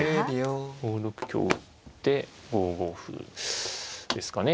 ５六香打って５五歩ですかね。